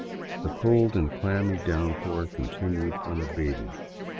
The cold and clammy down pour continued unabated.